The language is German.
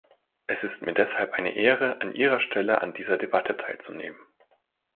Es ist mir deshalb eine Ehre, an ihrer Stelle an dieser Debatte teilzunehmen.